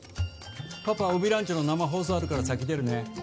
パパ「オビランチ」の生放送あるから先出るね。